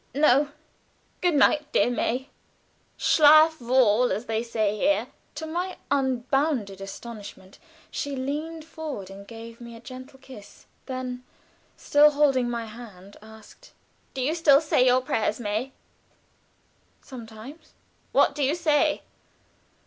"No. Good night, dear May. Schlaf' wohl, as they say here." To my unbounded astonishment, she leaned forward and gave me a gentle kiss; then, still holding my hand, asked: "Do you still say your prayers, May?" "Sometimes." "What do you say?"